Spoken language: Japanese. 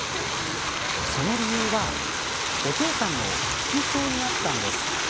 その理由はお父さんの服装にあったんです。